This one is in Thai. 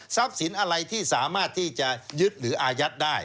สินอะไรที่สามารถที่จะยึดหรืออายัดได้